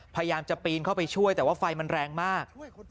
พยายามจะปีนเข้าไปช่วยแต่ว่าไฟมันแรงมาก